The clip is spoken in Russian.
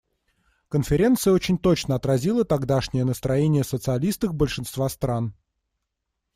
Конференция очень точно отразила тогдашнее настроение социалисток большинства стран.